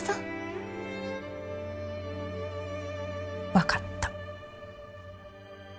分かった。